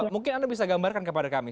mungkin anda bisa gambarkan kepada kami